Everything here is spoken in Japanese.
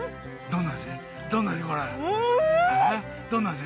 どんな味？